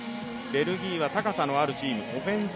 ベルギーは高さのあるチーム。